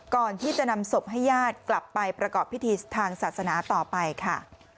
ก่อนที่จะนำศพให้ญาติกลับไปประกอบพิธีทางศาสนาต่อไปค่ะ